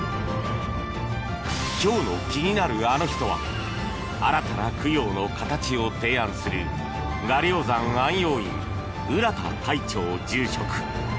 今日の気になるアノ人は新たな供養の形を提案する臥龍山安養院浦田快暢住職。